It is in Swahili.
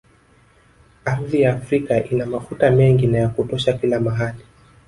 Ardhi ya Afrika ina mafuta mengi na ya kutosha kila mahali